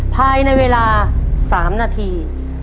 ภายในเวลา๓นาที